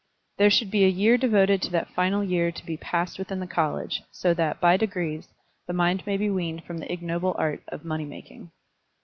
"There should be a year devoted to that final year to be passed within the college, so that, by degrees, the mind may be weaned from the ignoble art of money making."